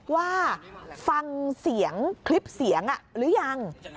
ว่าฟังเสียงคลิปเสียงหรือยัง